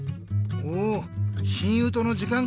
お親友との時間か。